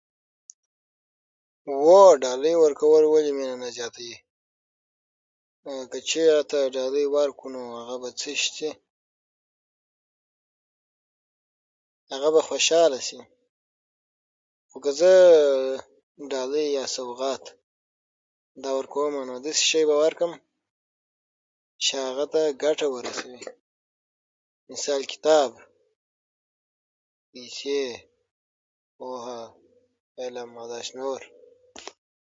هو ډالۍ ورکول ولې مينه نه زیاتوي که چيرته ډالۍ ورکړو نو هغه به څه شی شي نو مممم هغه به خوشحاله شي که زه ډالۍ یا سوغات ورکومه نو داسي څه شی به ورکړم چې هغه ته ګټه ورسوي مثال کتاب ،پوهه علم او داسي نور